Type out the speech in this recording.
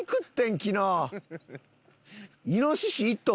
昨日。